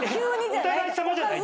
お互いさまじゃない？